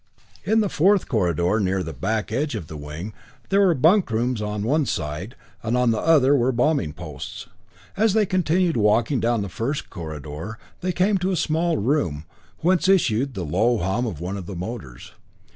In the fourth corridor near the back edge of the wing, there were bunk rooms on one side, and on the other were bombing posts. As they continued walking down the first corridor, they came to a small room, whence issued the low hum of one of the motors.